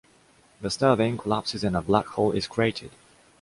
The star then collapses and a black hole is created.